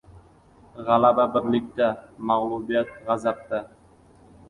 • G‘alaba — birlikda, mag‘lubiyat — g‘azabda.